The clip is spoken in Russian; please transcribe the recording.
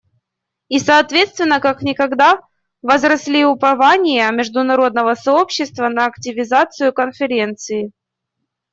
И соответственно, как никогда возросли упования международного сообщества на активизацию Конференции.